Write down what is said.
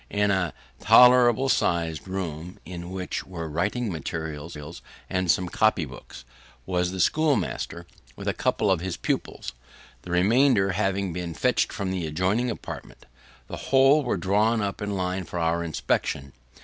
In a tolerablesized room, in which were writing materials and some copy books, was the schoolmaster, with a couple of his pupils; the remainder having been fetched from an adjoining apartment, the whole were drawn up in line for our inspection.